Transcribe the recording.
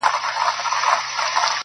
• په هوا کي د مرغانو پروازونه -